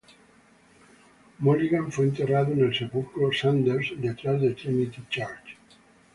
Mulligan fue enterrado en el sepulcro Sanders detrás de Trinity Church.